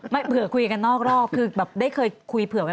เผื่อคุยกันนอกรอบคือแบบได้เคยคุยเผื่อไว้